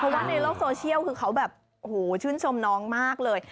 เพราะว่าในโลกโซเชียลคือเขาแบบโอ้โหชื่นชมน้องมากเลย